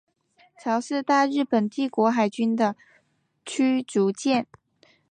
潮是大日本帝国海军的驱逐舰。